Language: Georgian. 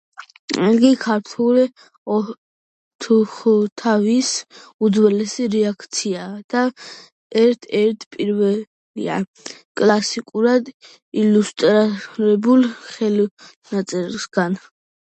იგი ქართული ოთხთავის უძველესი რედაქციაა და ერთ-ერთი პირველია კლასიკურად ილუსტრირებულ ხელნაწერთაგან.